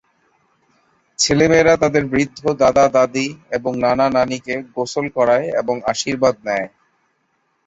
ছেলেমেয়েরা তাদের বৃদ্ধ দাদা-দাদী এবংনানা-নানীকে গোসল করায় এবং আশীর্বাদ নেয়।